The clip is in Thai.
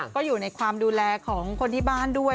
ก็อยู่ในความดูแลของคนที่บ้านด้วย